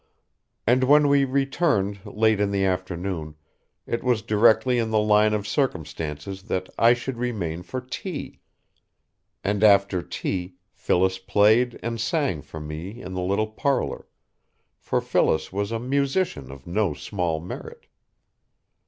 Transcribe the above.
And when we returned late in the afternoon it was directly in the line of circumstances that I should remain for tea; and after tea Phyllis played and sang for me in the little parlor, for Phyllis was a musician of no small merit.